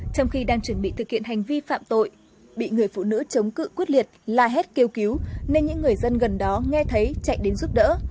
trong khi đang chuẩn bị thực hiện hành vi phạm tội bị người phụ nữ chống cự quyết liệt la hét kêu cứu nên những người dân gần đó nghe thấy chạy đến giúp đỡ